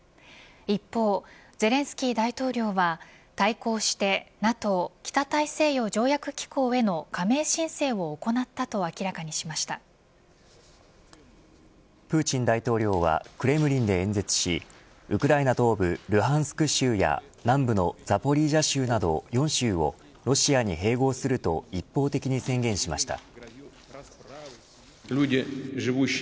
一方ゼレンスキー大統領は対抗してＮＡＴＯ、北大西洋条約機構への加盟申請を行ったとプーチン大統領はクレムリンで演説しウクライナ東部ルハンスク州や南部のザポリージャ州など４州をロシアに併合すると一方的に宣言しました。